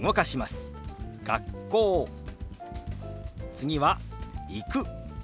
次は「行く」。